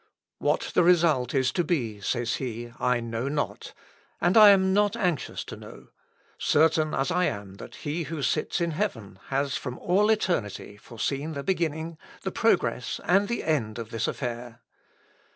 "What the result is to be," says he, "I know not, and I am not anxious to know; certain as I am that He who sits in heaven has from all eternity foreseen the beginning, the progress, and the end of this affair.